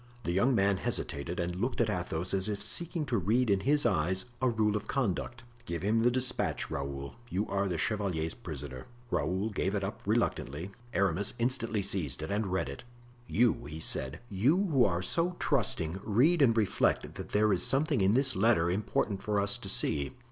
The young man hesitated and looked at Athos as if seeking to read in his eyes a rule of conduct. "Give him the despatch, Raoul! you are the chevalier's prisoner." Raoul gave it up reluctantly; Aramis instantly seized and read it. "You," he said, "you, who are so trusting, read and reflect that there is something in this letter important for us to see."